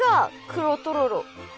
黒とろろ。